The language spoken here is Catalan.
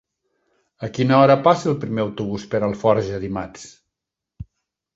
A quina hora passa el primer autobús per Alforja dimarts?